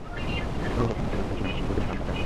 সর্বপ্রথম ecological pyramid সম্পর্কে ধারণা দেন কে?